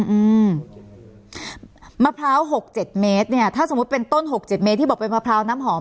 อืมมะพร้าวหกเจ็ดเมตรเนี้ยถ้าสมมุติเป็นต้นหกเจ็ดเมตรที่บอกเป็นมะพร้าวน้ำหอม